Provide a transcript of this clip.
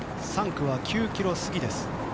３区は９ｋｍ過ぎです。